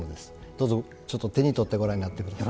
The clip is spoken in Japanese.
どうぞちょっと手に取ってご覧になって下さい。